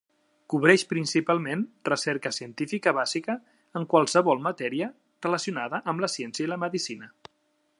Cobreix principalment recerca científica bàsica en qualsevol matèria relacionada amb la ciència i la medicina.